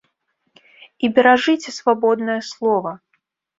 І беражыце свабоднае слова!